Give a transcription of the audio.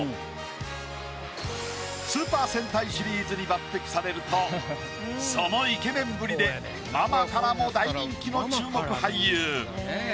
スーパー戦隊シリーズに抜てきされるとそのイケメンぶりでママからも大人気の注目俳優。